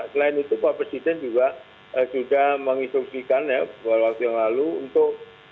selain itu pak presiden juga sudah menginstruksikan ya beberapa waktu yang lalu untuk